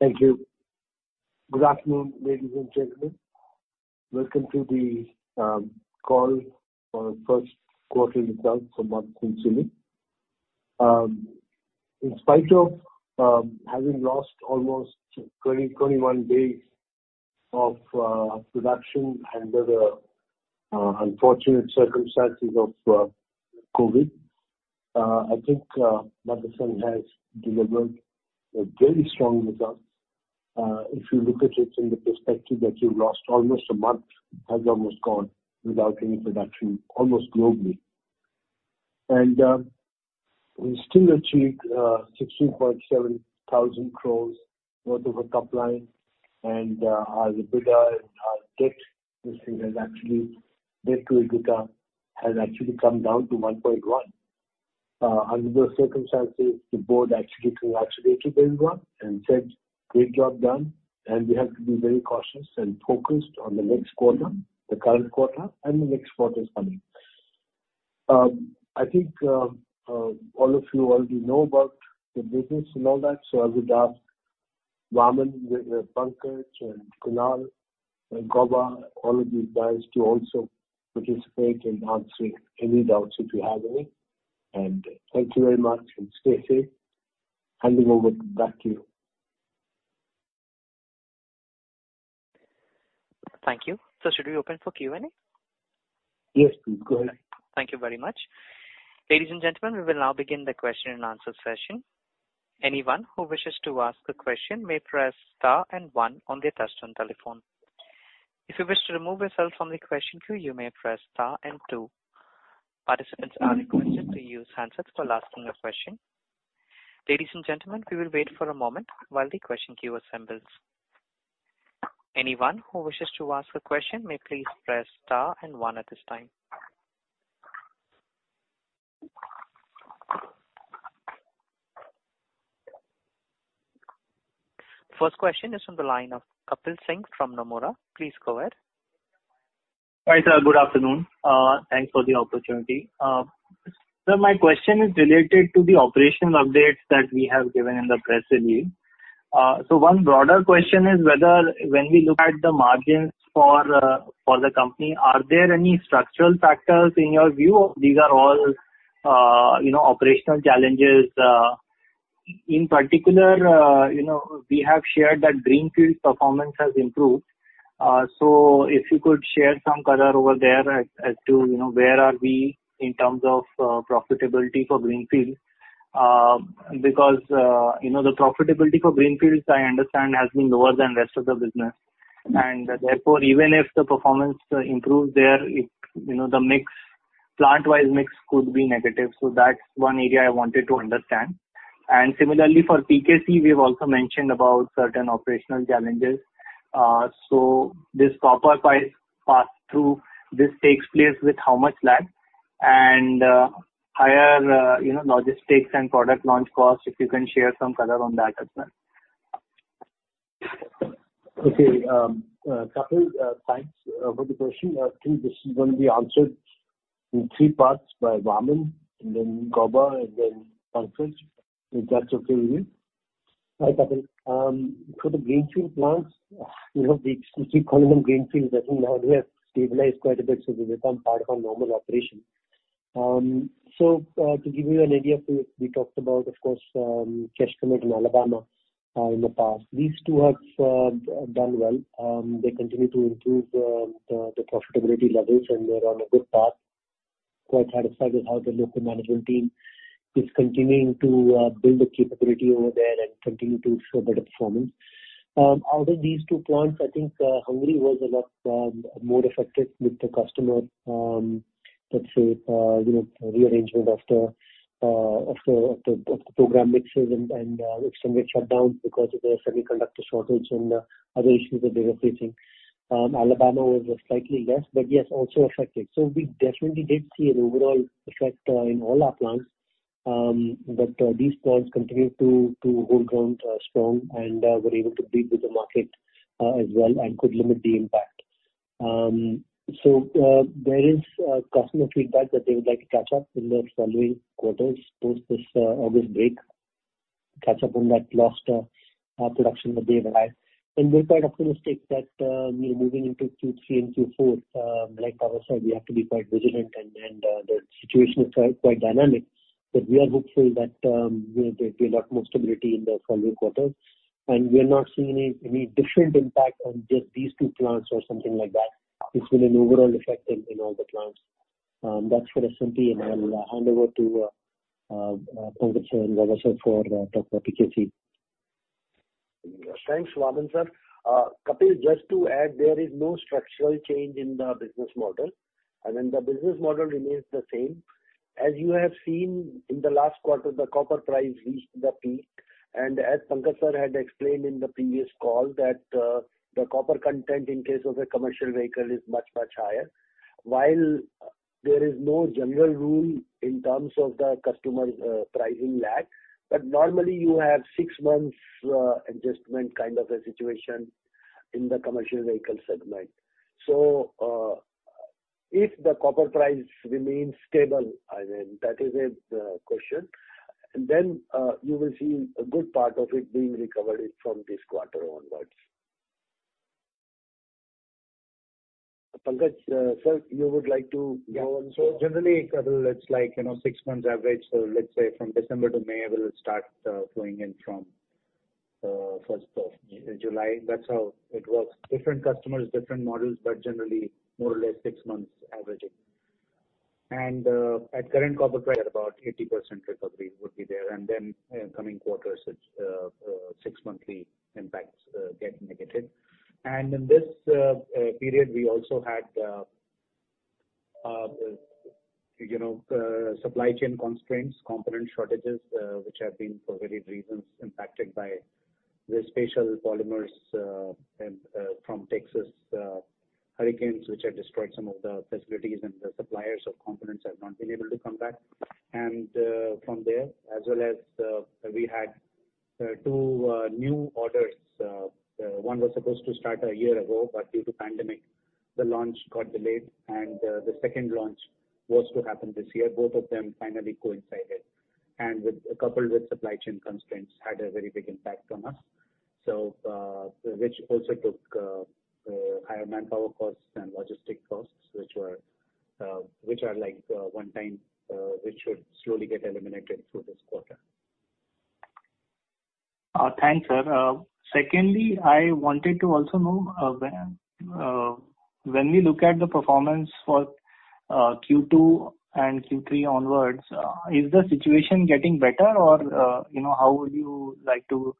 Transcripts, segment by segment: Thank you. Good afternoon, ladies and gentlemen. Welcome to the call for our First Quarterly Results for Motherson Sumi. In spite of having lost almost 20, 21 days of production under the unfortunate circumstances of COVID, I think Motherson has delivered a very strong result. If you look at it in the perspective that you've lost almost a month, has almost gone without any production, almost globally. We still achieved 16,700 crores worth of a top line and our EBITDA and our debt to EBITDA has actually come down to 1.1. Under those circumstances, the board actually congratulated everyone and said, "Great job done, and we have to be very cautious and focused on the next quarter, the current quarter, and the next quarters coming." I think all of you already know about the business and all that, so I would ask Vaaman, Pankaj, and Kunal, and Gauba, all of you guys to also participate in answering any doubts if you have any. Thank you very much, and stay safe. Handing over back to you. Thank you. Should we open for Q&A? Yes, please. Go ahead. First question is from the line of Kapil Singh from Nomura. Please go ahead. Hi, sir. Good afternoon. Thanks for the opportunity. Sir, my question is related to the operational updates that we have given in the press release. One broader question is whether, when we look at the margins for the company, are there any structural factors in your view or these are all operational challenges? In particular, we have shared that greenfield performance has improved. If you could share some color over there as to where are we in terms of profitability for greenfield. Because the profitability for greenfields, I understand, has been lower than rest of the business, and therefore, even if the performance improves there, the plant-wide mix could be negative. That's one area I wanted to understand. Similarly for PKC, we've also mentioned about certain operational challenges. This copper price pass-through, this takes place with how much lag, and higher logistics and product launch costs, if you can share some color on that as well? Okay. Kapil, thanks for the question. I think this is going to be answered in three parts by Vaaman and then Gauba and then Pankaj, if that's okay with you. Hi, Kapil. For the greenfield plants, the economic greenfields, I think now they have stabilized quite a bit, so they become part of our normal operation. To give you an idea, we talked about, of course, Cheshire and Alabama in the past. These two have done well. They continue to improve the profitability levels, and they're on a good path. Quite satisfied with how the local management team is continuing to build the capability over there and continue to show better performance. Out of these two plants, I think Hungary was a lot more affected with the customer, let's say, rearrangement of the program mixes and extreme rate shutdowns because of the semiconductor shortage and other issues that they were facing. Alabama was slightly less, but yes, also affected. We definitely did see an overall effect in all our plants, but these plants continued to hold ground strong and were able to beat with the market as well and could limit the impact. There is customer feedback that they would like to catch up in the following quarters post this August break, catch up on that lost production that they've had. We're quite optimistic that moving into Q3 and Q4, like Gauba said, we have to be quite vigilant and the situation is quite dynamic. We are hopeful that there'll be a lot more stability in the following quarters. We are not seeing any different impact on just these two plants or something like that. It's been an overall effect in all the plants. That's for SMP, and I will hand over to Pankaj sir and Gauba sir for talk about PKC. Thanks, Vaaman sir. Kapil, just to add, there is no structural change in the business model. I mean, the business model remains the same. As you have seen in the last quarter, the copper price reached the peak. As Pankaj sir had explained in the previous call that the copper content in case of a commercial vehicle is much, much higher. While there is no general rule in terms of the customer's pricing lag, but normally you have six months adjustment kind of a situation in the commercial vehicle segment. If the copper price remains stable, that is a question, then you will see a good part of it being recovered from this quarter onwards. Pankaj, sir, you would like to go on? Generally, Kapil, it's six months average. Let's say from December to May, it will start flowing in from 1st of July. That's how it works. Different customers, different models, generally more or less six months averaging. At current copper price, about 80% recovery would be there, then in coming quarters, it's six monthly impacts get negated. In this period, we also had supply chain constraints, component shortages, which have been for varied reasons impacted by the specialty polymers from Texas hurricanes, which have destroyed some of the facilities and the suppliers of components have not been able to come back. From there, as well as we had two new orders. One was supposed to start a year ago, but due to pandemic, the launch got delayed and the second launch was to happen this year. Both of them finally coincided and coupled with supply chain constraints, had a very big impact on us. Which also took higher manpower costs and logistic costs, which are one time, which should slowly get eliminated through this quarter. Thanks, sir. Secondly, I wanted to also know, when we look at the performance for Q2 and Q3 onwards, is the situation getting better or how would you like to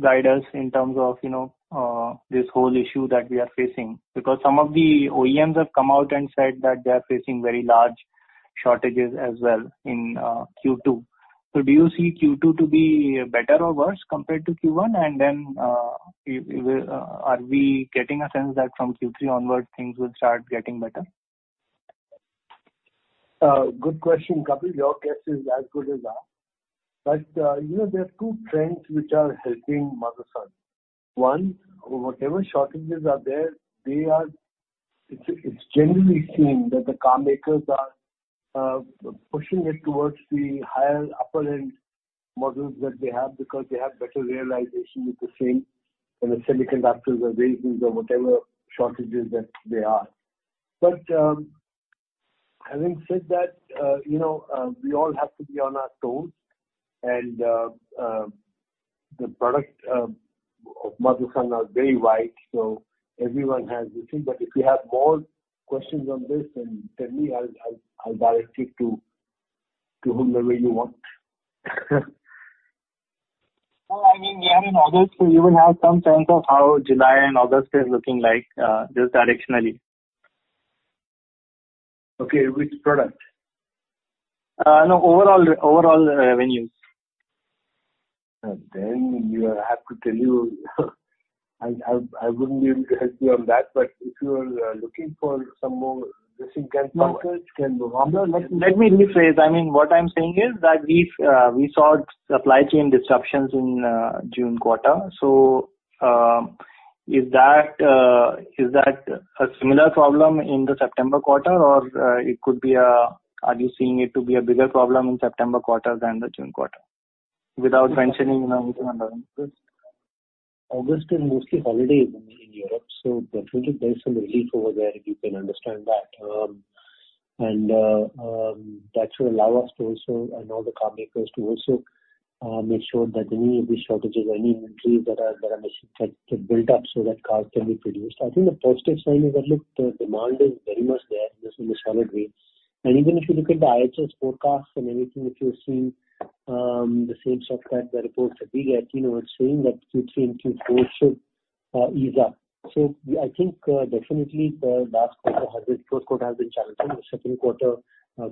guide us in terms of this whole issue that we are facing? Some of the OEMs have come out and said that they are facing very large shortages as well in Q2. Do you see Q2 to be better or worse compared to Q1? Are we getting a sense that from Q3 onwards things will start getting better? Good question, Kapil. Your guess is as good as ours. There are two trends which are helping Motherson. One, whatever shortages are there, it's generally seen that the car makers are pushing it towards the higher upper end models that they have because they have better realization with the same, semiconductors or wafers or whatever shortages that there are. Having said that we all have to be on our toes and the product of Motherson are very wide, so everyone has this thing. If you have more questions on this, then tell me, I'll direct you to whomever you want. We are in August, so you will have some sense of how July and August is looking like, just directionally. Okay. Which product? No, overall revenues. I have to tell you I wouldn't be able to help you on that. If you are looking for some more recent trends. No, let me rephrase. What I'm saying is that we saw supply chain disruptions in June quarter. Is that a similar problem in the September quarter or are you seeing it to be a bigger problem in September quarter than the June quarter? Without mentioning numbers and other things. August is mostly holidays in Europe, definitely there's some relief over there if you can understand that. That should allow us and all the car makers to also make sure that any of these shortages or any inventories that are missing get built up so that cars can be produced. I think the positive sign is that, look, the demand is very much there in a solid way. Even if you look at the IHS forecast and anything that you're seeing, the same stuff that the reports that we get, we're seeing that Q3 and Q4 should ease up. I think definitely the last quarter, the fourth quarter has been challenging. The second quarter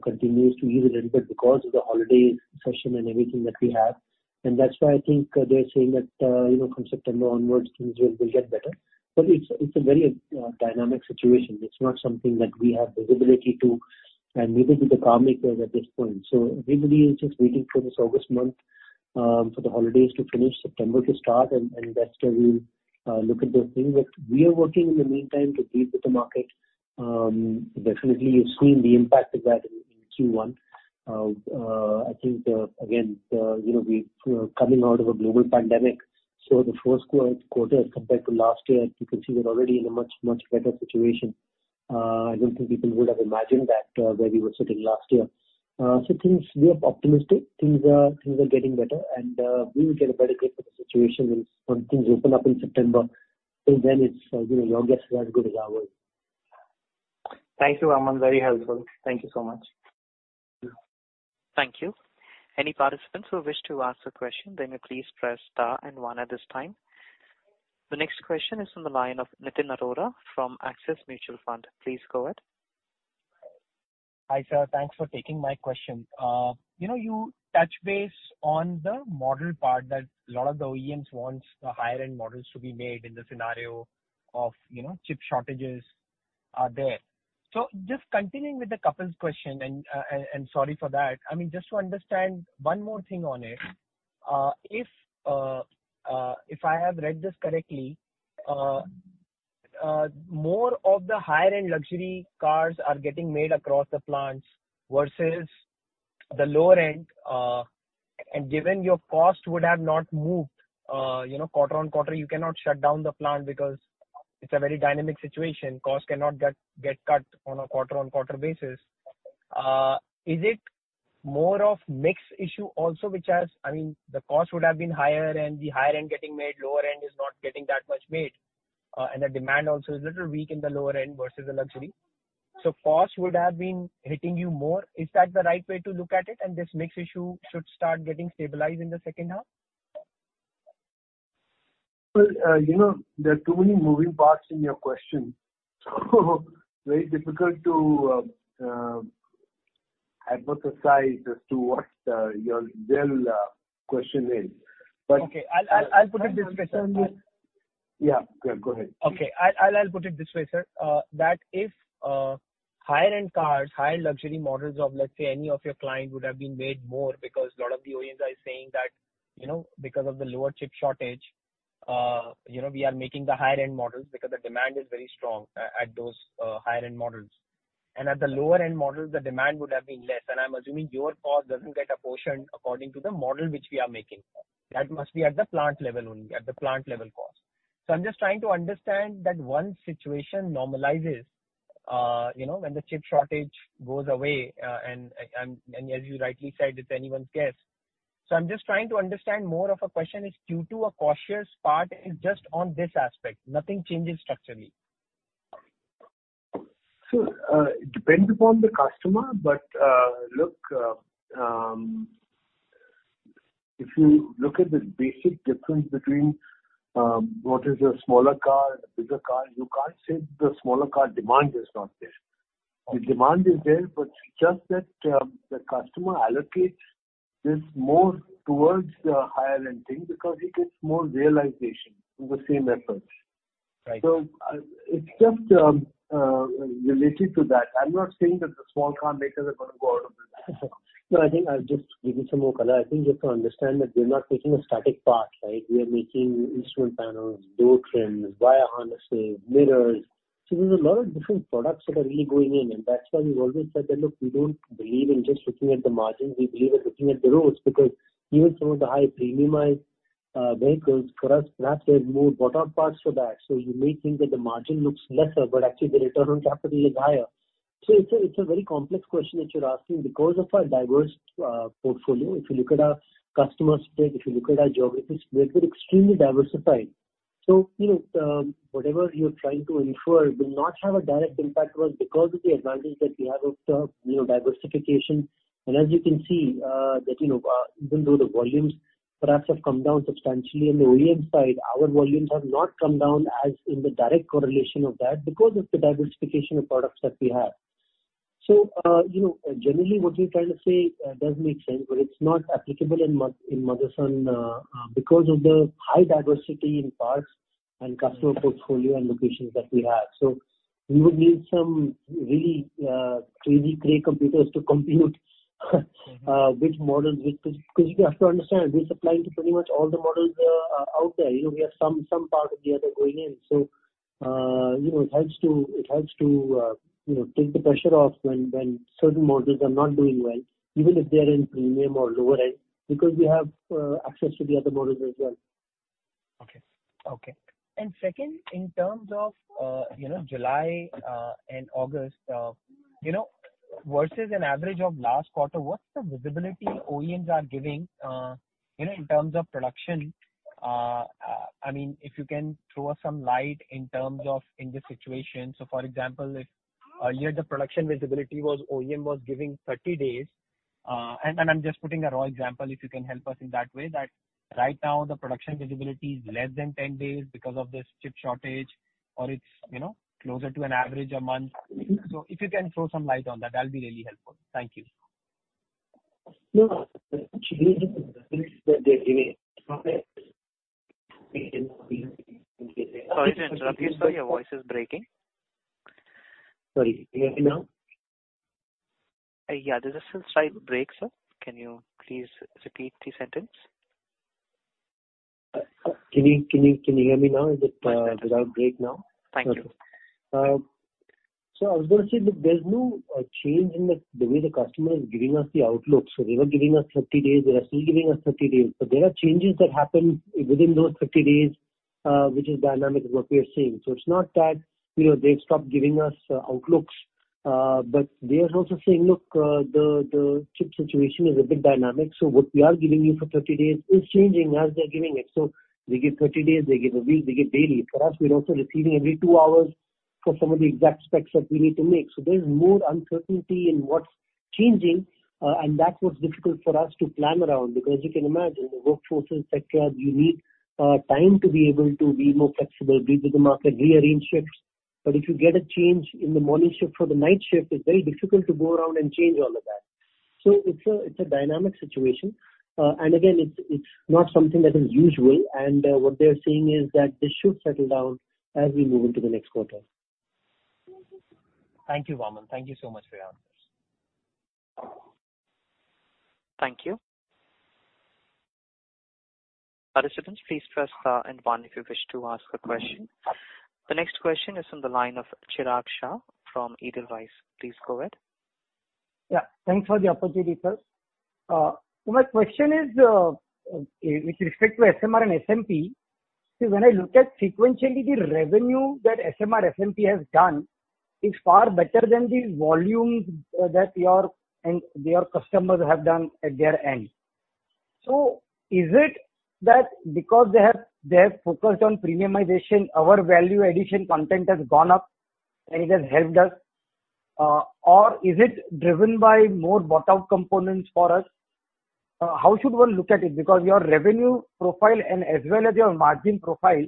continues to ease a little bit because of the holiday session and everything that we have. That's why I think they're saying that, from September onwards things will get better. It's a very dynamic situation. It's not something that we have visibility to and neither do the car makers at this point. Everybody is just waiting for this August month, for the holidays to finish, September to start and that's when we'll look at those things. We are working in the meantime to deal with the market. Definitely, you've seen the impact of that in Q1. I think, again, we are coming out of a global pandemic, the first quarter as compared to last year, as you can see, we're already in a much, much better situation. I don't think people would have imagined that where we were sitting last year. We are optimistic, things are getting better, and we will get a better grip of the situation when things open up in September. Till then your guess is as good as ours. Thank you, Vaaman. Very helpful. Thank you so much. Thank you. Any participants who wish to ask a question, then please press star and one at this time. The next question is from the line of Nitin Arora from Axis Mutual Fund. Please go ahead. Hi, sir. Thanks for taking my question. You touched base on the model part that a lot of the OEMs wants the higher-end models to be made in the scenario of chip shortages are there? Just continuing with Kapil's question, and sorry for that. Just to understand one more thing on it. If I have read this correctly, more of the higher-end luxury cars are getting made across the plants versus the lower end. Given your cost would have not moved quarter-on-quarter, you cannot shut down the plant because it's a very dynamic situation. Cost cannot get cut on a quarter-on-quarter basis. Is it more of mix issue also, the cost would have been higher and the higher end getting made, lower end is not getting that much made, and the demand also is a little weak in the lower end versus the luxury. Cost would have been hitting you more. Is that the right way to look at it? This mix issue should start getting stabilized in the second half? Well, there are too many moving parts in your question, very difficult to advise as to what your real question is. Okay, I'll put it this way, sir. Yeah, go ahead. Okay. I'll put it this way, sir. If higher end cars, higher luxury models of, let's say, any of your client would have been made more because a lot of the OEMs are saying that because of the lower chip shortage, we are making the higher end models because the demand is very strong at those higher end models. At the lower end models, the demand would have been less. I'm assuming your cost doesn't get apportioned according to the model which we are making. That must be at the plant level only, at the plant level cost. I'm just trying to understand that once situation normalizes, when the chip shortage goes away, and as you rightly said, it's anyone's guess. I'm just trying to understand more of a question is Q2 a cautious part is just on this aspect, nothing changes structurally. It depends upon the customer, but look, if you look at the basic difference between what is a smaller car and a bigger car, you can't say the smaller car demand is not there. The demand is there, but it's just that the customer allocates this more towards the higher end thing because he gets more realization in the same effort. It's just related to that. I'm not saying that the small car makers are going to go out of business. No, I think I'll just give you some more color. I think you have to understand that we're not making a static part. We are making instrument panels, door trims, wire harnesses, mirrors. There's a lot of different products that are really going in, and that's why we've always said that, look, we don't believe in just looking at the margins. We believe in looking at the roads, because even some of the high premiumized vehicles, for us, perhaps there are more bought-out parts for that. You may think that the margin looks lesser, but actually the return on capital is higher. It's a very complex question that you're asking because of our diverse portfolio. If you look at our customer split, if you look at our geography split, we're extremely diversified. Whatever you're trying to infer will not have a direct impact to us because of the advantage that we have of diversification. As you can see, that even though the volumes perhaps have come down substantially in the OEM side, our volumes have not come down as in the direct correlation of that because of the diversification of products that we have. Generally what you're trying to say does make sense, but it's not applicable in Motherson because of the high diversity in parts and customer portfolio and locations that we have. We would need some really crazy Cray computers to compute which models, because you have to understand, we're supplying to pretty much all the models out there. We have some part of the other going in. It helps to take the pressure off when certain models are not doing well, even if they are in premium or lower end, because we have access to the other models as well. Okay. Second, in terms of July and August, versus an average of last quarter, what's the visibility OEMs are giving in terms of production? If you can throw us some light in terms of in this situation. For example, if a year the production visibility was OEM was giving 30 days, and I'm just putting a raw example, if you can help us in that way, that right now the production visibility is less than 10 days because of this chip shortage, or it's closer to an average a month. If you can throw some light on that'll be really helpful. Thank you. No, there's no change in the way that they're giving us. Sorry to interrupt you, sir. Your voice is breaking. Sorry. Can you hear me now? Yeah, there's a slight break, sir. Can you please repeat the sentence? Can you hear me now? Is it without break now? Thank you. I was going to say, look, there's no change in the way the customer is giving us the outlook. They were giving us 30 days, they are still giving us 30 days. There are changes that happen within those 30 days, which is dynamic is what we are seeing. It's not that they've stopped giving us outlooks, but they are also saying, look, the chip situation is a bit dynamic, so what we are giving you for 30 days is changing as they're giving it. They give 30 days, they give a week, they give daily. For us, we're also receiving every two hours for some of the exact specs that we need to make. There's more uncertainty in what's changing, and that's what's difficult for us to plan around, because you can imagine the workforces, et cetera, you need time to be able to be more flexible, read with the market, rearrange shifts. If you get a change in the morning shift for the night shift, it's very difficult to go around and change all of that. It's a dynamic situation. Again, it's not something that is usual, and what they're saying is that this should settle down as we move into the next quarter. Thank you, Vaaman. Thank you so much for your answers. Thank you. Participants, please press star and one if you wish to ask a question. The next question is on the line of Chirag Shah from Edelweiss. Please go ahead. Yeah, thanks for the opportunity, sir. My question is, with respect to SMR and SMP, see, when I look at sequentially the revenue that SMR, SMP has done is far better than these volumes that your customers have done at their end. Is it that because they have focused on premiumization, our value addition content has gone up and it has helped us? Is it driven by more bought-out components for us? How should one look at it? Your revenue profile and as well as your margin profile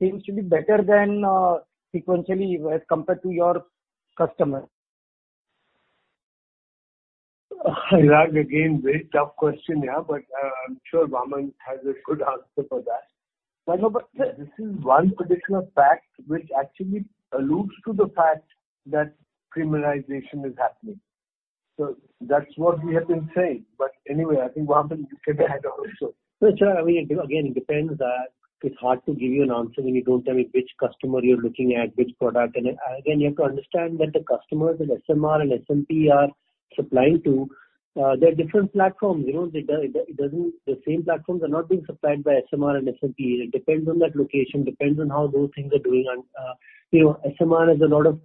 seems to be better than sequentially as compared to your customer. Chirag, again, very tough question here, but I'm sure Vaaman has a good answer for that. No, this is one particular fact which actually alludes to the fact that premiumization is happening. That's what we have been saying. Anyway, I think, Vaaman, you can go ahead also. Chirag, again, it depends. It's hard to give you an answer when you don't tell me which customer you're looking at, which product. Again, you have to understand that the customers that SMR and SMP are supplying to, they're different platforms. The same platforms are not being supplied by SMR and SMP. It depends on that location, depends on how those things are doing. SMR has a lot of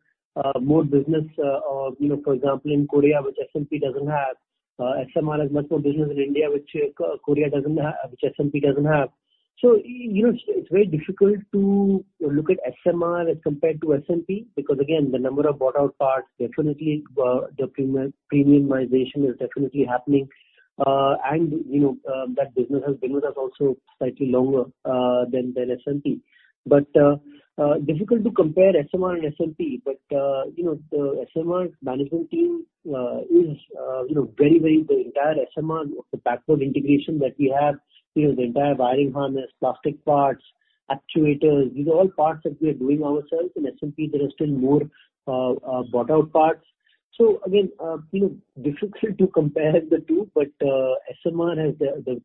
more business, for example, in Korea, which SMP doesn't have. SMR has much more business in India, which SMP doesn't have. It's very difficult to look at SMR as compared to SMP because, again, the number of bought-out parts, premiumization is definitely happening. That business has been with us also slightly longer than SMP. Difficult to compare SMR and SMP. The SMR management team is very. The entire SMR, the backward integration that we have, the entire wiring harness, plastic parts, actuators, these are all parts that we are doing ourselves. In SMP, there are still more bought-out parts. Again, difficult to compare the two, but the SMR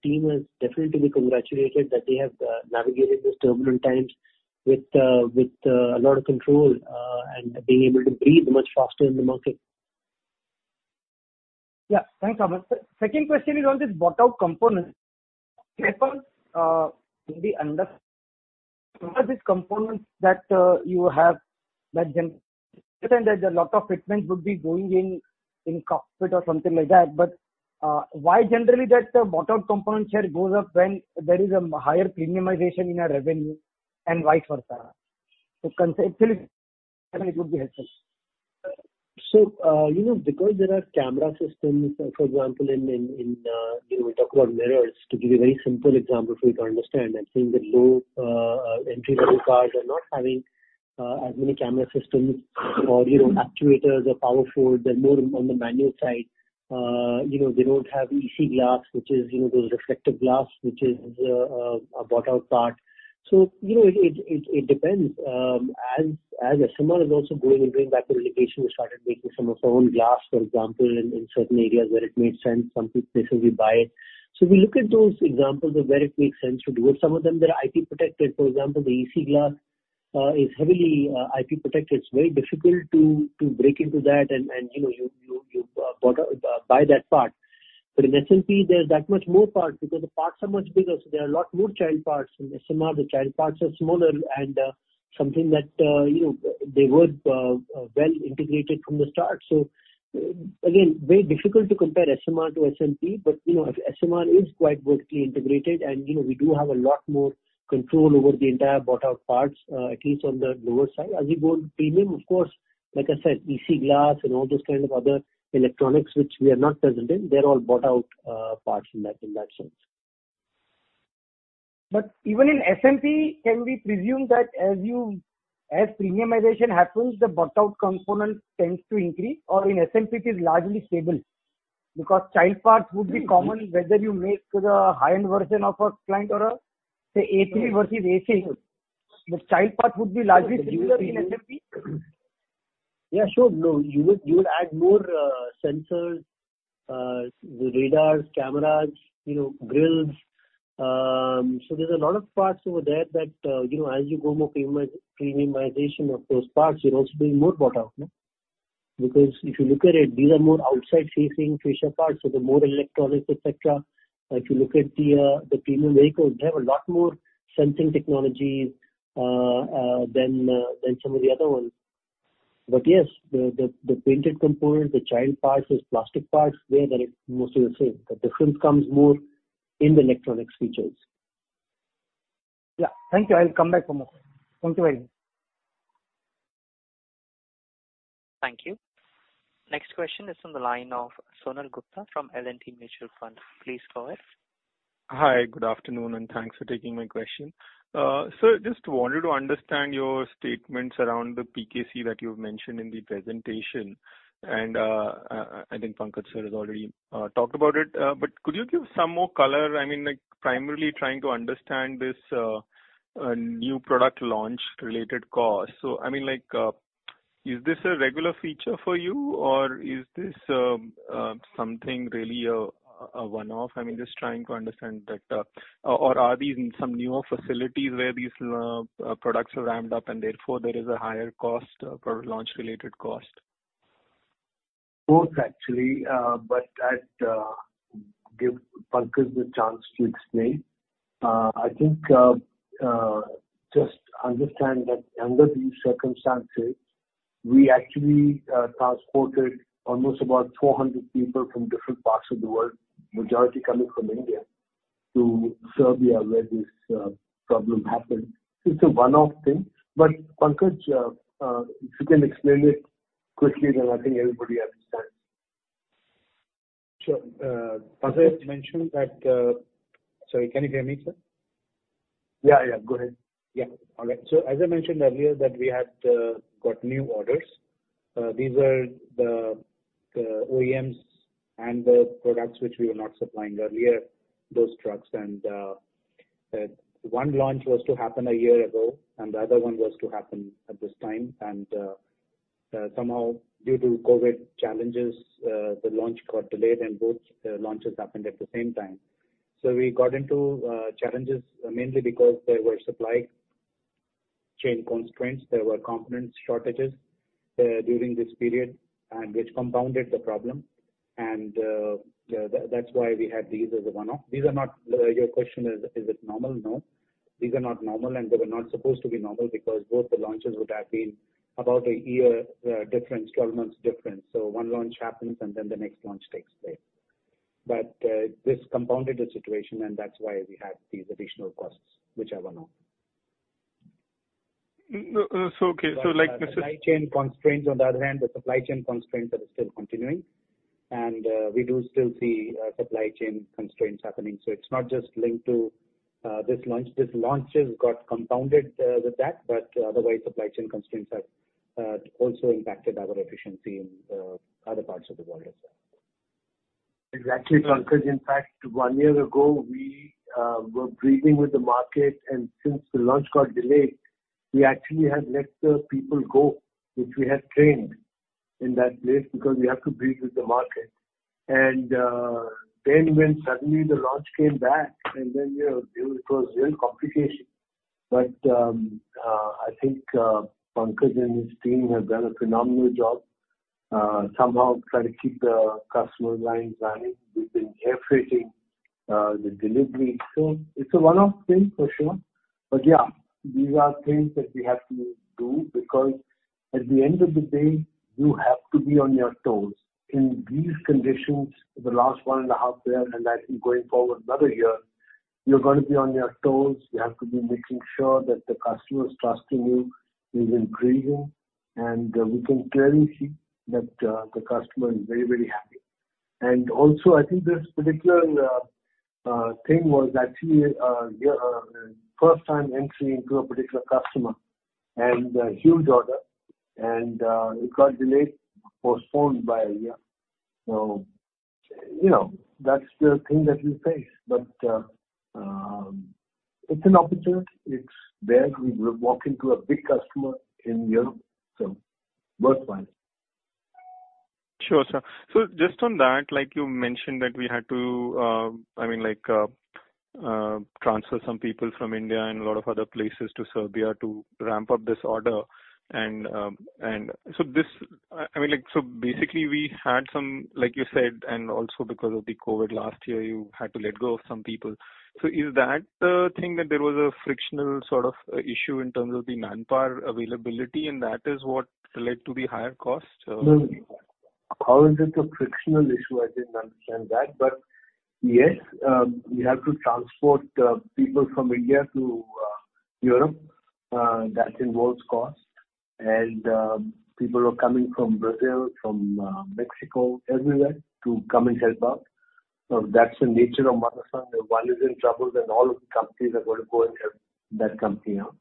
team is definitely to be congratulated that they have navigated this turbulent times with a lot of control, and being able to breathe much faster in the market. Yeah. Thanks, Vaaman. Second question is on this bought-out component. All these components that you have that a lot of fitments would be going in cockpit or something like that, why generally that the bought out component share goes up when there is a higher premiumization in our revenue and vice versa? Conceptually, it would be helpful. Because there are camera systems, for example, we talk about mirrors, to give you a very simple example for you to understand, I think that low entry-level cars are not having as many camera systems or actuators or power fold. They're more on the manual side. They don't have EC glass, which is those reflective glass, which is a bought-out part. It depends. As SMR is also going and doing backward integration, we started making some of our own glass, for example, in certain areas where it made sense. Some places we buy it. We look at those examples of where it makes sense to do it. Some of them, they're IP protected. For example, the EC glass is heavily IP protected. It's very difficult to break into that and you buy that part. In SMP, there's that much more parts because the parts are much bigger, so there are a lot more child parts. In SMR, the child parts are smaller and something that they were well integrated from the start. Again, very difficult to compare SMR to SMP, but SMR is quite vertically integrated and we do have a lot more control over the entire bought-out parts, at least on the lower side. As you go on premium, of course, like I said, EC glass and all those kind of other electronics which we are not present in, they're all bought-out parts in that sense. Even in SMP, can we presume that as premiumization happens, the bought-out component tends to increase? In SMP it is largely stable because child parts would be common whether you make the high-end version of a client or a, say, A3 versus A6, the child part would be largely similar in SMP. Yeah, sure. You will add more sensors, radars, cameras, grills. There's a lot of parts over there that, as you go more premiumization of those parts, you're also doing more bought-out. Because if you look at it, these are more outside-facing facial parts, so they're more electronics, et cetera. If you look at the premium vehicles, they have a lot more sensing technologies than some of the other ones. Yes, the painted components, the child parts, those plastic parts, they are mostly the same. The difference comes more in the electronics features. Yeah. Thank you. I'll come back for more. Thank you very much. Thank you. Next question is from the line of Sonal Gupta from L&T Mutual Fund. Please go ahead. Hi, good afternoon, and thanks for taking my question. Sir, just wanted to understand your statements around the PKC that you've mentioned in the presentation, and I think Pankaj has already talked about it. Could you give some more color? I mean, primarily trying to understand this new product launch related cost. I mean, is this a regular feature for you or is this something really a one-off? I mean, just trying to understand that. Are these some newer facilities where these products are ramped up and therefore there is a higher cost pre-launch-related cost? Both actually, I'd give Pankaj the chance to explain. I think just understand that under these circumstances, we actually transported almost about 400 people from different parts of the world, majority coming from India to Serbia, where this problem happened. It's a one-off thing. Pankaj, if you can explain it quickly, then I think everybody understands. Sure. Sorry, can you hear me, sir? Yeah. Go ahead. Yeah. All right. As I mentioned earlier that we had got new orders. These are the OEMs and the products which we were not supplying earlier, those trucks, and one launch was to happen a year ago, and the other one was to happen at this time. Somehow due to COVID challenges, the launch got delayed and both launches happened at the same time. We got into challenges, mainly because there were supply chain constraints, there were component shortages during this period, and which compounded the problem. That's why we had these as a one-off. Your question, is it normal? No. These are not normal, and they were not supposed to be normal because both the launches would have been about a year difference, 12 months difference. One launch happens, and then the next launch takes place. This compounded the situation, and that's why we had these additional costs, which are one-off. Okay. Supply chain constraints on the other hand, the supply chain constraints are still continuing, and we do still see supply chain constraints happening. It is not just linked to this launch. These launches got compounded with that. Otherwise, supply chain constraints have also impacted our efficiency in other parts of the world as well. Exactly, Pankaj. In fact, one year ago, we were breathing with the market, and since the launch got delayed, we actually had let people go, which we had trained in that place because we have to breathe with the market. When suddenly the launch came back, and then it was real complication. I think Pankaj and his team have done a phenomenal job, somehow trying to keep the customer lines running. We've been air freighting the delivery. It's a one-off thing for sure. Yeah, these are things that we have to do because at the end of the day, you have to be on your toes. In these conditions for the last one and a half year. I think going forward another year, you're going to be on your toes. You have to be making sure that the customer is trusting you, is increasing, and we can clearly see that the customer is very happy. Also, I think this particular thing was actually a first time entry into a particular customer and a huge order, and it got delayed, postponed by a year. That's the thing that we face. It's an opportunity. It's there. We walk into a big customer in Europe, so worthwhile. Sure, sir. Just on that, like you mentioned, that we had to transfer some people from India and a lot of other places to Serbia to ramp up this order. Basically, we had some, like you said, and also because of the COVID last year, you had to let go of some people. Is that the thing that there was a frictional sort of issue in terms of the manpower availability and that is what led to the higher cost? No. How is it a frictional issue? I didn't understand that. Yes, we have to transport people from India to Europe. That involves cost. People were coming from Brazil, from Mexico, everywhere to come and help out. That's the nature of Motherson. If one is in trouble, then all of the companies are going to go and help that company out.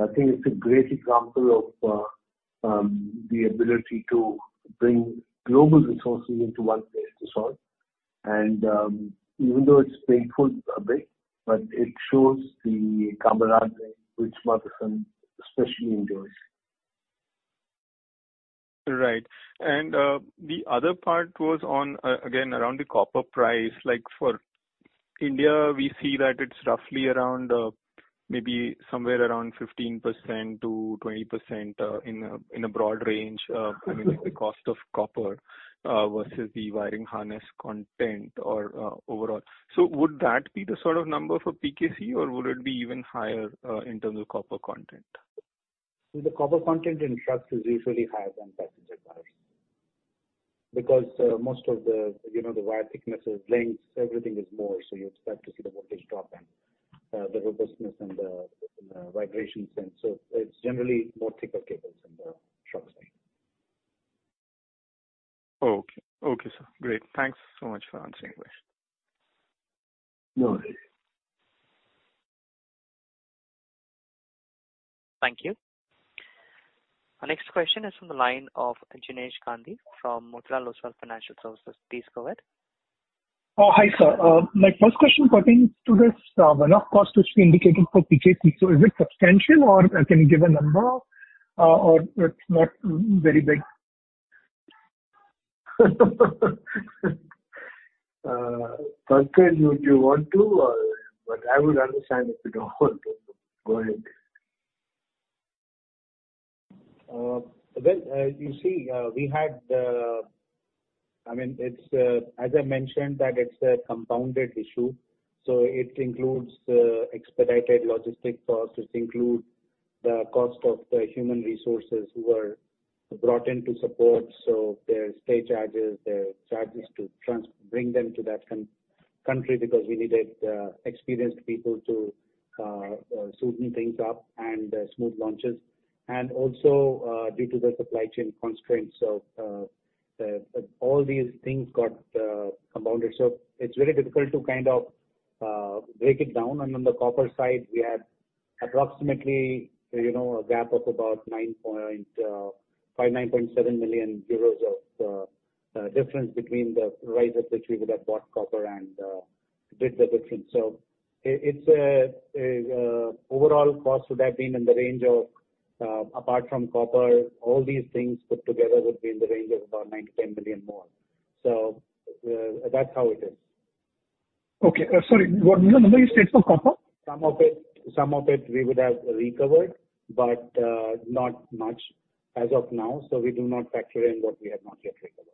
I think it's a great example of the ability to bring global resources into one place to solve. Even though it's painful a bit, but it shows the camaraderie which Motherson especially enjoys. Right. The other part was on, again, around the copper price. Like for India, we see that it's roughly around maybe somewhere around 15%-20% in a broad range, I mean, like the cost of copper versus the wiring harness content or overall. Would that be the sort of number for PKC or would it be even higher in terms of copper content? The copper content in trucks is usually higher than passenger cars because most of the wire thickness, lengths, everything is more. You expect to see the voltage drop and the robustness and the vibration sense. It's generally more thicker cables in the trucks than. Okay, sir. Great. Thanks so much for answering this. No worry. Thank you. Our next question is from the line of Jinesh Gandhi from Motilal Oswal Financial Services. Please go ahead. Oh, hi, sir. My first question pertains to this one-off cost which we indicated for PKC. Is it substantial, or can you give a number, or it's not very big? Pankaj, would you want to? I would understand if you don't go ahead. Well, as I mentioned that it's a compounded issue. It includes expedited logistics costs, it includes the cost of the human resources who were brought in to support. Their stay charges, their charges to bring them to that country because we needed experienced people to smoothen things up and smooth launches, and also due to the supply chain constraints. All these things got compounded. It's very difficult to kind of break it down. On the copper side, we had approximately a gap of about 9.5, 9.7 million euros of difference between the price at which we would have bought copper and did the difference. Overall cost would have been in the range of, apart from copper, all these things put together would be in the range of about 9 million-10 million more. That's how it is. Okay. Sorry, what was the number you said for copper? Some of it we would have recovered, but not much as of now, so we do not factor in what we have not yet recovered.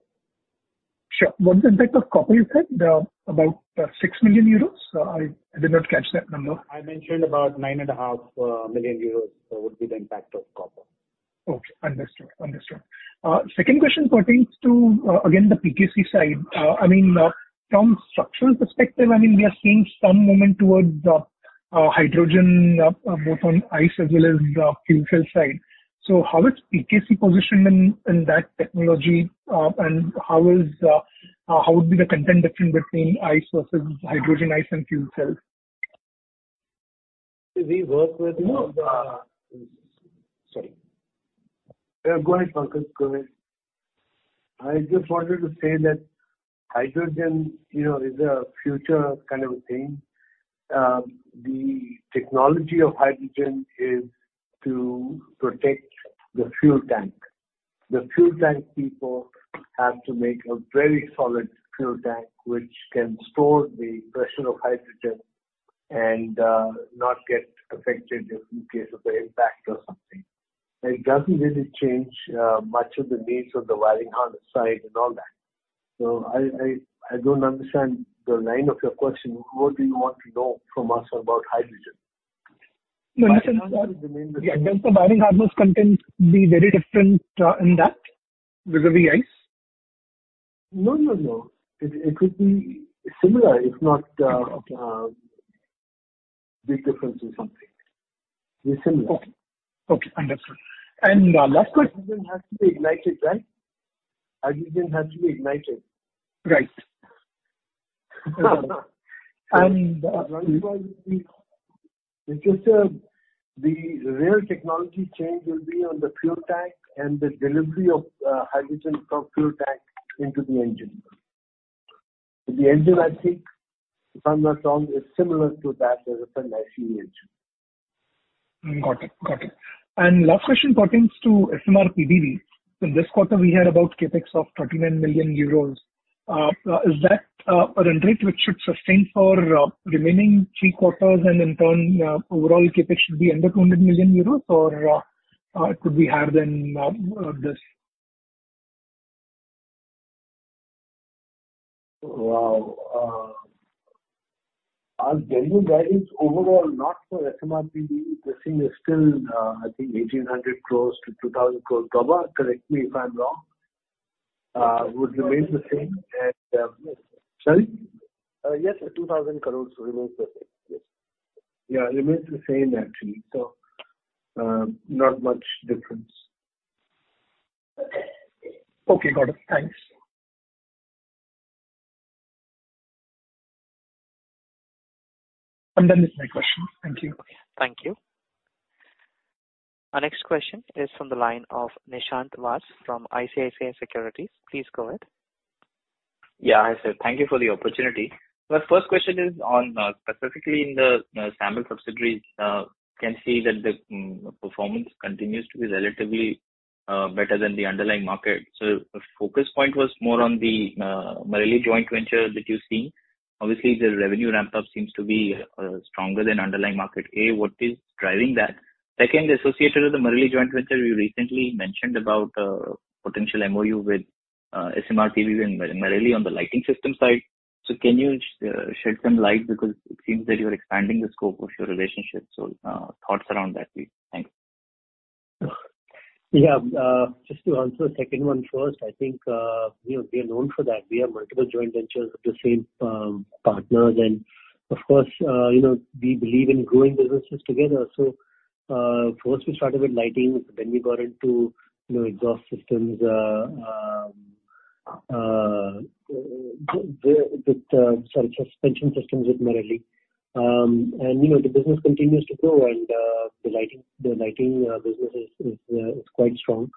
Sure. What's the impact of copper you said? About 6 million euros? I did not catch that number. I mentioned about 9.5 million euros Would be the impact of copper. Okay, understood. Second question pertains to, again, the PKC side. From structural perspective, we are seeing some movement towards hydrogen, both on ICE as well as fuel cell side. How is PKC positioned in that technology, and how would be the content difference between ICE versus hydrogen ICE and fuel cells? We work with. No. Sorry. Go ahead, Pankaj. Go ahead. I just wanted to say that hydrogen is a future kind of a thing. The technology of hydrogen is to protect the fuel tank. The fuel tank people have to make a very solid fuel tank which can store the pressure of hydrogen and not get affected in case of an impact or something. It doesn't really change much of the needs of the wiring harness side and all that. I don't understand the line of your question. What do you want to know from us about hydrogen? No, I said does the wiring harness content be very different in that, vis-a-vis ICE? No. It could be similar if not a big difference or something. They're similar. Okay. Understood. Last question. Hydrogen has to be ignited, right? Hydrogen has to be ignited. Right. The real technology change will be on the fuel tank and the delivery of hydrogen from fuel tank into the engine. The engine, I think, if I'm not wrong, is similar to that of an ICE engine. Got it. Last question pertains to SMRPBV. In this quarter, we had about CapEx of 29 million euros. Is that a run rate which should sustain for remaining three quarters and in turn overall CapEx should be under 200 million euros or could be higher than this? Well, I'll tell you guidance overall, not for SMRPBV, the thing is still, I think 1,800 crores-2,000 crores. Pankaj, correct me if I'm wrong. Yes. Sorry? Yes, sir. 2,000 crores remains the same. Yes. Yeah, remains the same, actually. Not much difference. Okay, got it. Thanks. I am done with my questions. Thank you. Okay. Thank you. Our next question is from the line of Nishant Vass from ICICI Securities. Please go ahead. Yeah, hi sir. Thank you for the opportunity. My first question is on specifically in the SAMIL subsidiaries, can see that the performance continues to be relatively better than the underlying market. Focus point was more on the Marelli joint venture that you see. Obviously, the revenue ramp-up seems to be stronger than underlying market. A, what is driving that? Second, associated with the Marelli joint venture, we recently mentioned about potential MoU with SMRPBV and Marelli on the lighting system side. Can you shed some light because it seems that you are expanding the scope of your relationship. Thoughts around that, please. Thanks. Yeah. Just to answer the second one first, I think we are known for that. We have multiple joint ventures with the same partners and of course, we believe in growing businesses together. First, we started with lighting, then we got into exhaust systems, with suspension systems with Marelli. The business continues to grow and the lighting business is quite strong.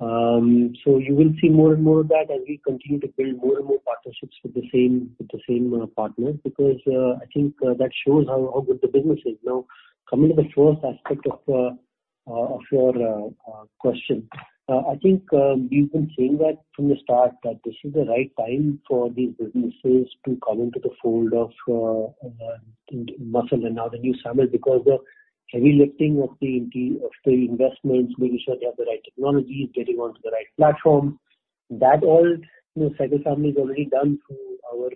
You will see more and more of that as we continue to build more and more partnerships with the same partners, because I think that shows how good the business is. Now, coming to the first aspect of your question. I think we've been saying that from the start, that this is the right time for these businesses to come into the fold of Motherson now, the new Samvardhana, because the heavy lifting of the investments, making sure they have the right technologies, getting onto the right platform, that all cycle Samvardhana has already done through our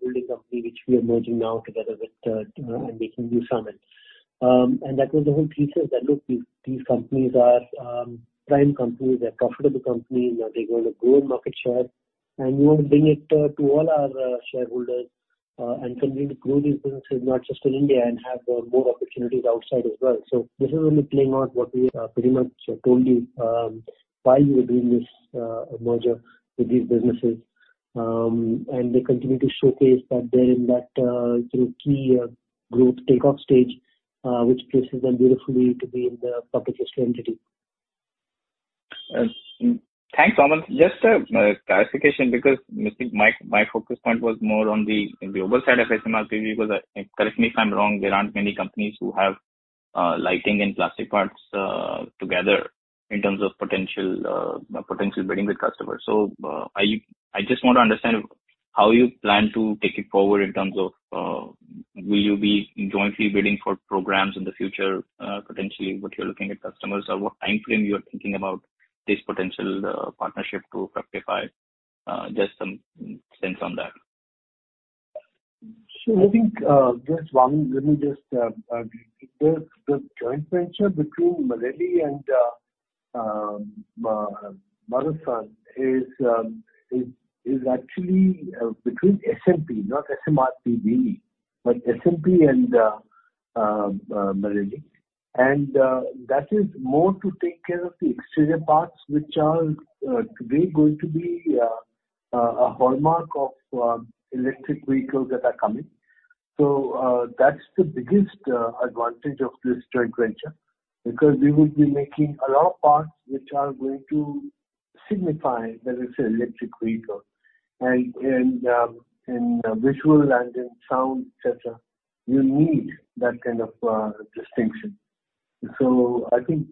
holding company, which we are merging now together with and making new Samvardhana. That was the whole thesis that, look, these companies are prime companies, they're profitable companies. Now they're going to grow in market share, and we want to bring it to all our shareholders, and continue to grow these businesses, not just in India, and have more opportunities outside as well. This is only playing out what we pretty much told you, why we were doing this merger with these businesses. They continue to showcase that they're in that key growth takeoff stage, which places them beautifully to be in the public listed entity. Thanks, Vaaman. Just a clarification, because my focus point was more on the global side of SMRPBV, because, correct me if I'm wrong, there aren't many companies who have lighting and plastic parts together in terms of potential bidding with customers. I just want to understand how you plan to take it forward in terms of will you be jointly bidding for programs in the future, potentially what you're looking at customers? What timeframe you're thinking about this potential partnership to fructify? Just some sense on that. Sure. I think, yes, Vaaman, let me just repeat. The joint venture between Marelli and Motherson is actually between SMP, not SMRPBV, but SMP and Marelli. That is more to take care of the exterior parts, which are today going to be a hallmark of electric vehicles that are coming. That's the biggest advantage of this joint venture, because we will be making a lot of parts which are going to signify that it's an electric vehicle, and in visual and in sound, et cetera, you need that kind of distinction. I think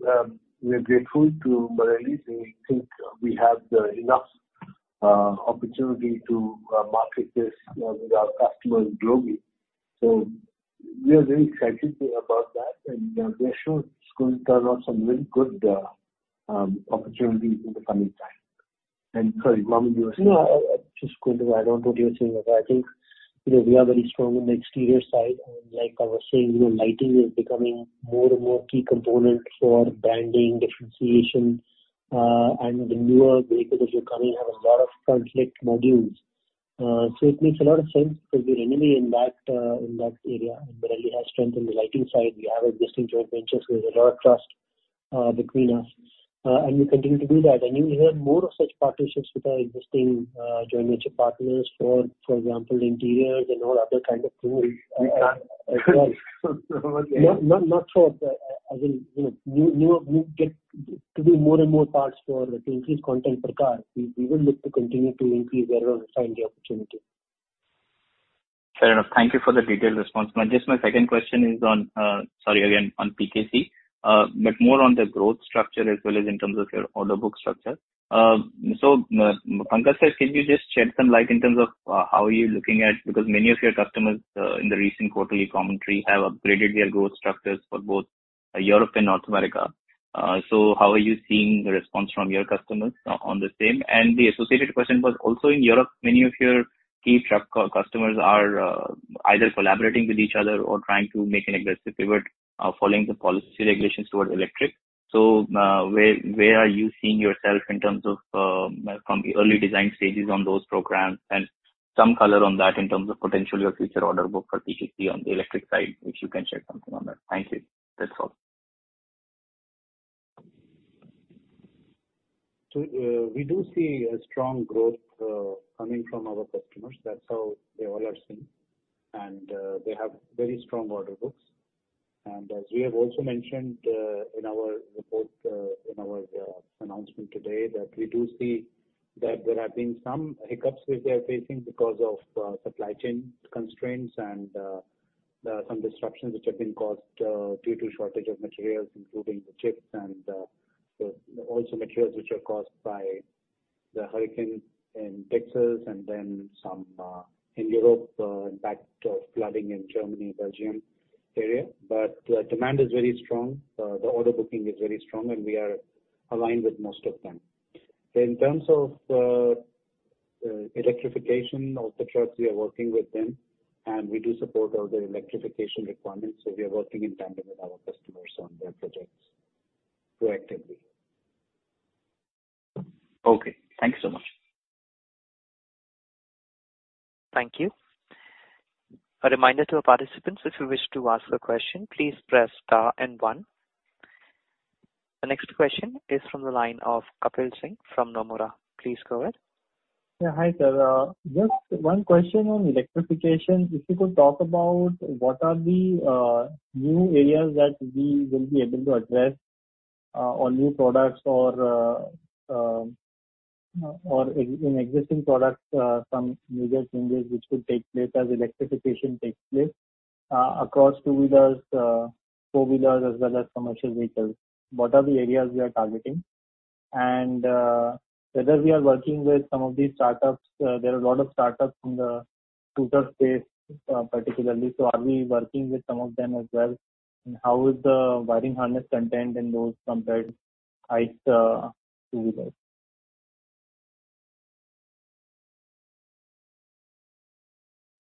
we're grateful to Marelli, we think we have enough opportunity to market this with our customers globally. We are very excited about that and we are sure it's going to turn out some very good opportunities in the coming time. Sorry, Vaaman, you were saying? Just going to add on to what you're saying. I think we are very strong on the exterior side. Like I was saying, lighting is becoming more and more a key component for branding, differentiation, and the newer vehicles which are coming have a lot of front-lit modules. It makes a lot of sense because we're anyway in that area, and Marelli has strength in the lighting side. We have existing joint ventures. There's a lot of trust between us. We continue to do that. We will have more of such partnerships with our existing joint venture partners. For example, interiors and all other kinds of tools as well. You get to do more and more parts for, to increase content per car. We will look to continue to increase wherever we find the opportunity. Fair enough. Thank you for the detailed response. Just my second question is on, sorry again, on PKC, but more on the growth structure as well as in terms of your order book structure. Pankaj sir, can you just shed some light in terms of how you're looking at, because many of your customers in the recent quarterly commentary have upgraded their growth structures for both Europe and North America. The associated question was also in Europe, many of your key truck customers are either collaborating with each other or trying to make an aggressive pivot following the policy regulations towards electric. Where are you seeing yourself in terms of from the early design stages on those programs, and some color on that in terms of potentially your future order book for PKC on the electric side, if you can share something on that. Thank you. That's all. We do see a strong growth coming from our customers. That's how they all are seeing. They have very strong order books. As we have also mentioned in our report, in our announcement today, that we do see that there have been some hiccups which they're facing because of supply chain constraints and some disruptions which have been caused due to shortage of materials, including the chips and also materials which are caused by the hurricane in Texas and then some in Europe, impact of flooding in Germany, Belgium area. Demand is very strong. The order booking is very strong and we are aligned with most of them. In terms of the electrification of the trucks, we are working with them and we do support all their electrification requirements, so we are working in tandem with our customers on their projects proactively. Okay. Thank you so much. Thank you. A reminder to our participants, if you wish to ask a question, please press star and one. The next question is from the line of Kapil Singh from Nomura. Please go ahead. Yeah. Hi, sir. Just one question on electrification. If you could talk about what are the new areas that we will be able to address, or new products or in existing products, some major changes which could take place as electrification takes place, across two-wheelers, four-wheelers, as well as commercial vehicles. What are the areas we are targeting? Whether we are working with some of these startups. There are a lot of startups in the scooter space, particularly. Are we working with some of them as well? How is the wiring harness content in those compared to ICE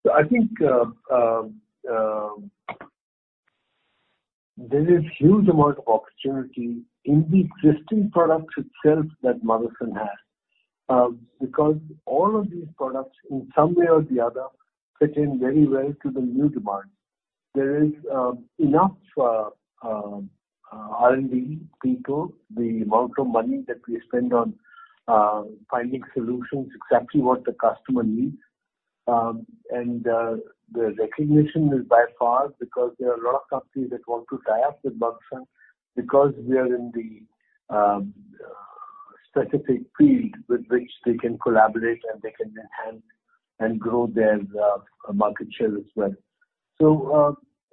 two-wheelers? I think there is huge amount of opportunity in the existing products itself that Motherson has, because all of these products in some one way or the other fit in very well to the new demand. There is enough R&D people, the amount of money that we spend on finding solutions, exactly what the customer needs. The recognition is by far because there are a lot of companies that want to tie up with Motherson because we are in the specific field with which they can collaborate and they can enhance and grow their market share as well.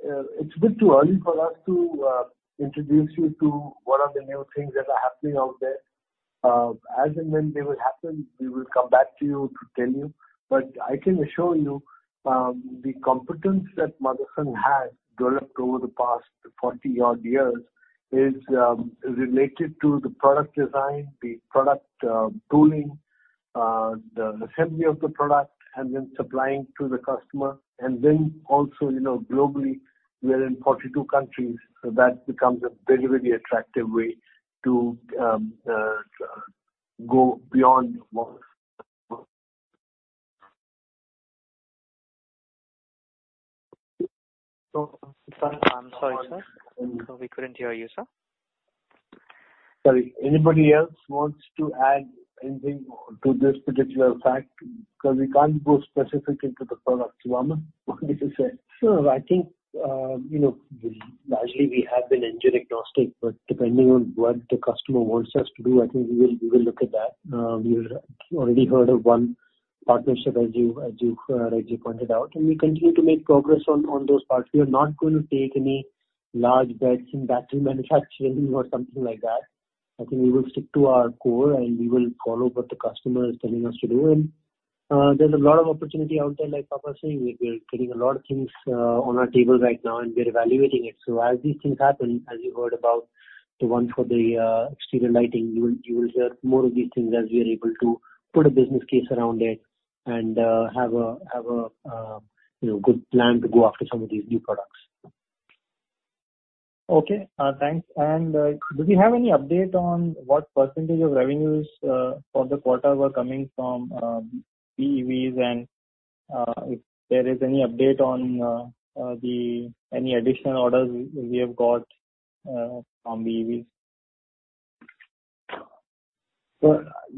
It's a bit too early for us to introduce you to what are the new things that are happening out there. As and when they will happen, we will come back to you to tell you. I can assure you, the competence that Motherson has developed over the past 40 odd years is related to the product design, the product tooling, the assembly of the product, and then supplying to the customer. Also globally, we are in 42 countries, so that becomes a very, very attractive way to go beyond Motherson. I'm sorry, sir. We couldn't hear you, sir. Sorry. Anybody else wants to add anything to this particular fact? Because we can't go specific into the product. Suman, what do you say? Sir, I think, largely we have been engine agnostic, but depending on what the customer wants us to do, I think we will look at that. We already heard of one partnership as you pointed out, and we continue to make progress on those parts. We are not going to take any large bets in battery manufacturing or something like that. I think we will stick to our core and we will follow what the customer is telling us to do. There's a lot of opportunity out there, like Papa is saying, we are getting a lot of things on our table right now, and we are evaluating it. As these things happen, as you heard about the one for the exterior lighting, you will hear more of these things as we are able to put a business case around it and have a good plan to go after some of these new products. Okay. Thanks. Do we have any update on what % of revenues for the quarter were coming from BEVs, and if there is any update on any additional orders we have got from BEVs?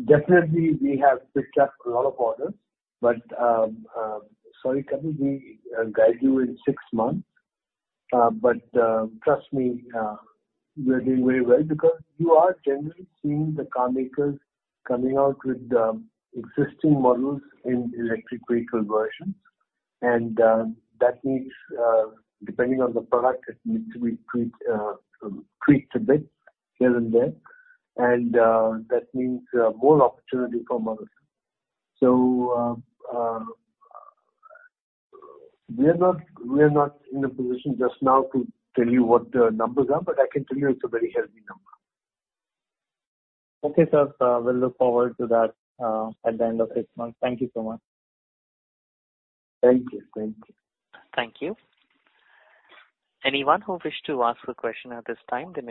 Definitely we have picked up a lot of orders, but, sorry, Kapil, we guide you in six months. Trust me, we are doing very well because you are generally seeing the car makers coming out with existing models in electric vehicle versions. That needs, depending on the product, it needs to be tweaked a bit here and there. That means more opportunity for Motherson. We are not in a position just now to tell you what the numbers are, but I can tell you it's a very healthy number. Okay, sir. We'll look forward to that at the end of six months. Thank you so much. Thank you. Thank you. Anyone who wish to ask a question at this time, then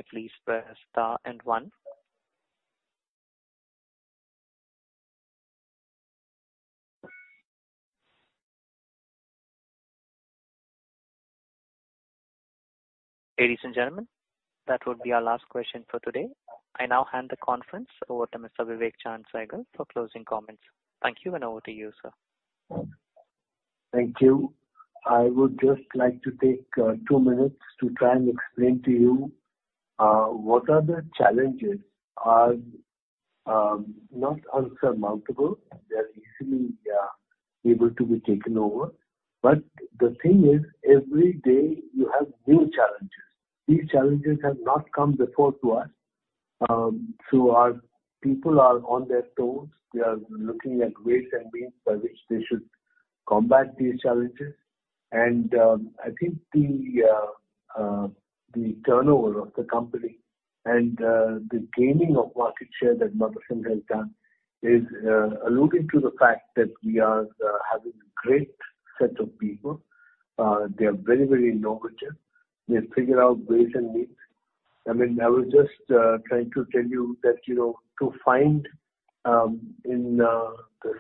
please press star and one. Ladies and gentlemen, that would be our last question for today. I now hand the conference over to Mr. Vivek Chaand Sehgal for closing comments. Thank you and over to you, sir. Thank you. I would just like to take two minutes to try and explain to you what are the challenges are, not insurmountable. They're easily able to be taken over. The thing is, every day you have new challenges. These challenges have not come before to us. Our people are on their toes. They are looking at ways and means by which they should combat these challenges. I think the turnover of the company and the gaining of market share that Motherson has done is alluding to the fact that we are having a great set of people. They are very innovative. They figure out ways and means. I mean, I was just trying to tell you that to find in the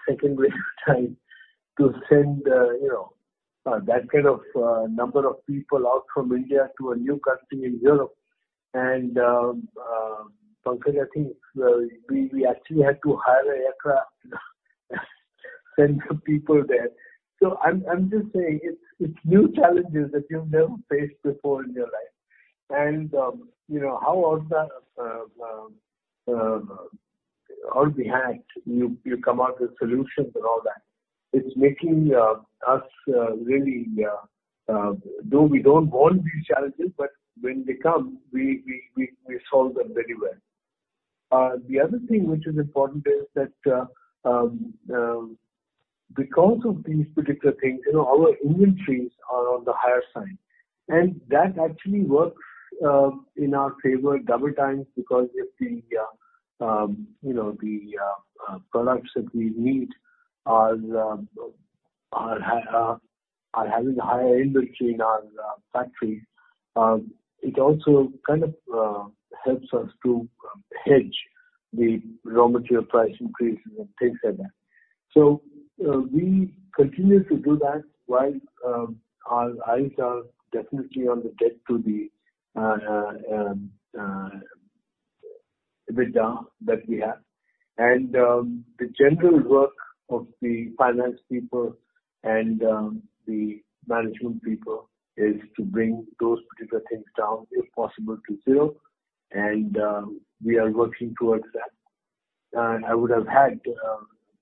second wave time to send that kind of number of people out from India to a new country in Europe. Pankaj, I think we actually had to hire an aircraft to send the people there. I'm just saying, it's new challenges that you've never faced before in your life. How all that, all we had, you come out with solutions and all that. It's making us really, though we don't want these challenges, but when they come, we solve them very well. The other thing which is important is that, because of these particular things, our inventories are on the higher side. That actually works in our favor double times, because if the products that we need are having a higher inventory in our factories, it also kind of helps us to hedge the raw material price increases and things like that. We continue to do that while our eyes are definitely on the debt to the EBITDA that we have. The general work of the finance people and the management people is to bring those particular things down, if possible, to zero. We are working towards that. I would have had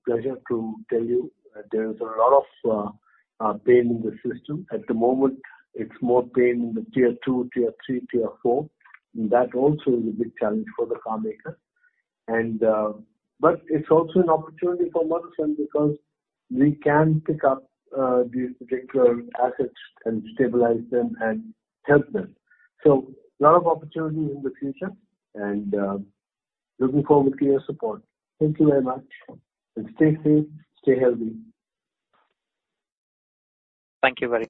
pleasure to tell you that there is a lot of pain in the system. At the moment, it's more pain in the Tier 2, Tier 3, Tier 4, and that also is a big challenge for the car maker. It's also an opportunity for Motherson because we can pick up these particular assets and stabilize them and help them. A lot of opportunity in the future and looking forward to your support. Thank you very much, and stay safe, stay healthy. Thank you very much.